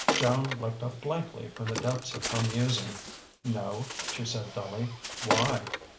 Joan looked up blankly from the depths of her musing. "No," she said dully. "Why?"